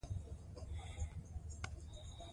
د هغې ناره پر غازیانو لګېدلې.